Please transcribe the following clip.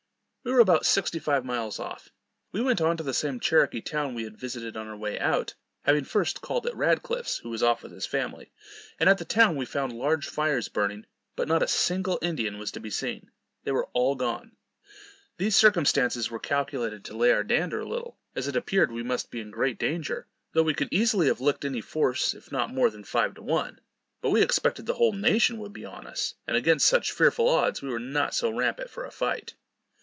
We were about sixty five miles off. We went on to the same Cherokee town we had visited on our way out, having first called at Radcliff's, who was off with his family; and at the town we found large fires burning, but not a single Indian was to be seen. They were all gone. These circumstances were calculated to lay our dander a little, as it appeared we must be in great danger; though we could easily have licked any force of not more than five to one. But we expected the whole nation would be on us, and against such fearful odds we were not so rampant for a fight.